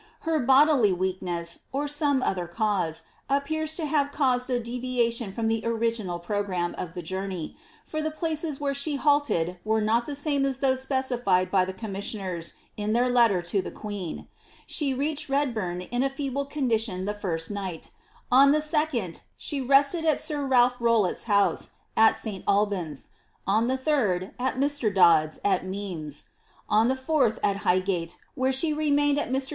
* Her bodily weakness, or some other cause, appears to have caused a deviation from the original programme of the journey, for the places where she halted were not the same as those specified by the commissioners in their letter to the queen. She reached Redbum in a feeble condition the first night On the second, she rested at Sir Ralph Rowlet^s house, at St Alb^^s ; on the third, at Mr Dod^s, at Mimmes ; on the fourth, at Highgate, where she remained 'Holinshed. ■ LIIABBTH. H Xr.